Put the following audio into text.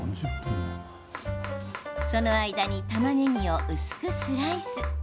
その間にたまねぎを薄くスライス。